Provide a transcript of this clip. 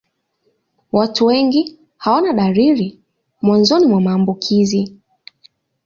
Watu wengi hawana dalili mwanzoni mwa maambukizi.